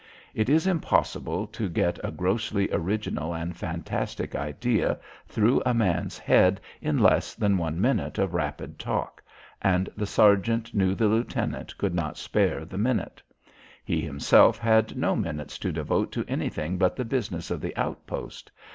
It is impossible to get a grossly original and fantastic idea through a man's head in less than one minute of rapid talk, and the sergeant knew the lieutenant could not spare the minute. He himself had no minutes to devote to anything but the business of the outpost.